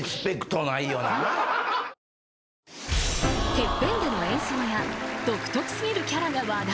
［『ＴＥＰＰＥＮ』での演奏や独特過ぎるキャラが話題］